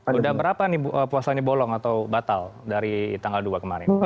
sudah berapa nih puasa ini bolong atau batal dari tanggal dua kemarin